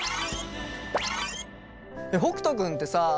北斗君ってさあ。